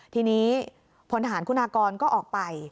ทีนี้พลทหารคุณากรก็ออกไป